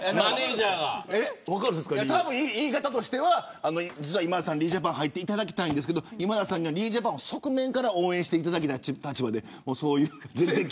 たぶん言い方としては今田さんＲｅ：Ｊａｐａｎに入っていただきたいんですけど今田さんにはＲｅ：Ｊａｐａｎの側面から応援していただきたい立場で。